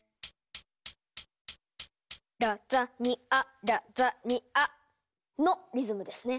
「ラザニアラザニア」のリズムですね。